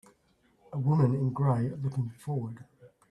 A woman in gray looking forward.